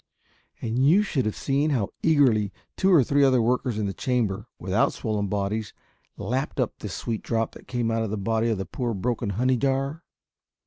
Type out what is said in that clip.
And you should have seen how eagerly two or three other workers in the chamber, without swollen bodies, lapped up this sweet drop that came out of the body of the poor, broken honey jar!